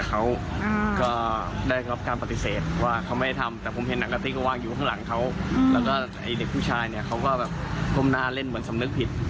เขาก็แบบกรมหน้าเล่นเหมือนสำนึกผิด